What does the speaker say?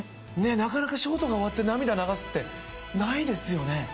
なかなかショートが終わって涙流すってないですよね。